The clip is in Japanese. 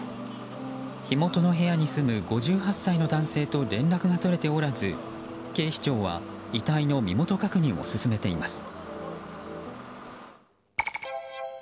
火元の部屋に住む５８歳の男性と連絡が取れておらず警視庁は遺体の身元確認を進めています。